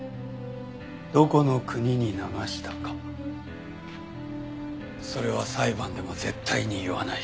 どこの国に流したかそれは裁判でも絶対に言わない。